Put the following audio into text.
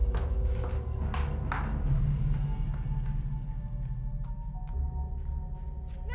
tunggu sebentar ya